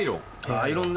アイロンね。